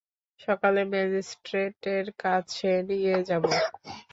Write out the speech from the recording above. সকালে ম্যাজিস্ট্রেটের কাছে নিয়ে যাবো।